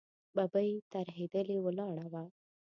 ببۍ ترهېدلې ولاړه وه.